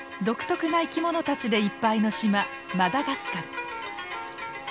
独特な生き物たちでいっぱいの島マダガスカル。